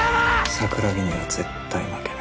桜木には絶対負けない。